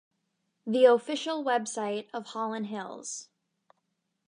The official website of Hollin Hills.